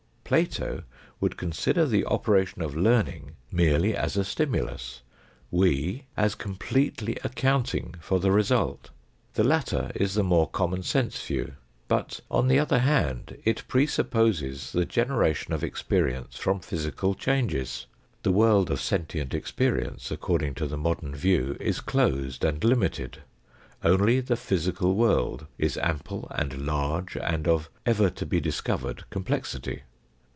Plato would consider the operation of learning merely as a stimulus; we as completely accounting for the result. The latter is the more common sense view. But, on the other hand, it presupposes the generation of experience from physical changes. The world of sentient experience, according to the modern view, is closed and limited ; only the physical world is ample and large and of ever to be discovered complexity.